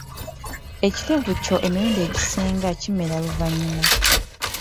Ekirevu kyo emirundi egisinga kimera luvannyuma.